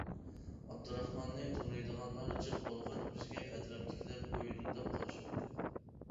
ئابدۇراخماننى تونۇيدىغانلار جىق بولغاچ بىزگە ئەتراپتىكىلەر بويۇنداپ قارىشاتتى.